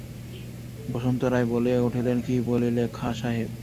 বসন্ত রায় বলিয়া উঠিলেন, কী বলিলে খাঁ সাহেব?